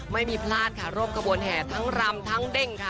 ไม่มีพลาดค่ะร่วมกระบวนแห่ทั้งรำทั้งเด้งค่ะ